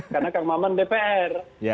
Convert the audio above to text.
karena kang maman dpr